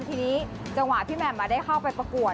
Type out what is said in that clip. ทีนี้จังหวะที่แหม่มได้เข้าไปประกวด